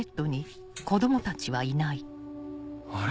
あれ？